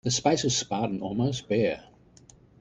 The space was spartan, almost bare.